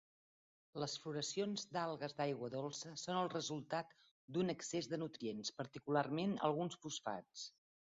Les floracions d'algues d'aigua dolça són el resultat d'un excés de nutrients, particularment alguns fosfats.